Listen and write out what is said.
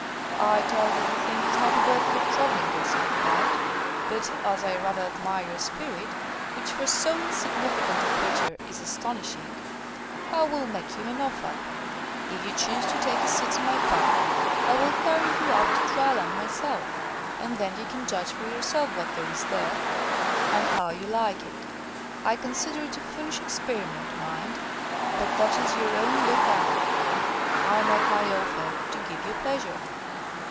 I tell you the thing is not worth your troubling yourself about. But, as I rather admire your spirit, (which, for so insignificant a creature, is astonishing,) I will make you an offer. If you choose to take a seat on my back, I will carry you up to dry land myself, and then you can judge for yourself what there is there, and how you like it. I consider it a foolish experiment, mind, but that is your own look out. I make my offer, to give you pleasure."